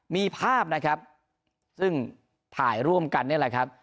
มีภาพนะครับซึ่งถ่ายร่วมกันนี่แหละครับ